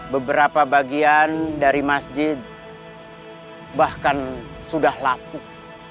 beberapa bagian dari masjid bahkan sudah lapuk